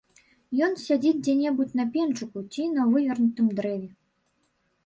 Ён сядзіць дзе-небудзь на пенчуку ці на вывернутым дрэве.